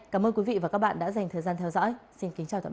cảm ơn các bạn đã theo dõi